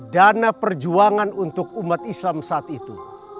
dana perjuangan untuk umat islam saat itu